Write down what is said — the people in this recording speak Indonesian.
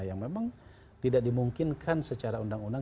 yang memang tidak dimungkinkan secara undang undang